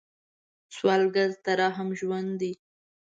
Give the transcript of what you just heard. سوالګر ته رحم ژوند دی